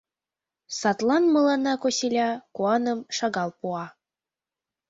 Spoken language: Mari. Садлан мыланна косиля куаным шагал пуа.